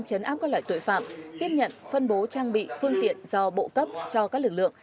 chấn áp các loại tội phạm tiếp nhận phân bố trang bị phương tiện do bộ cấp cho các lực lượng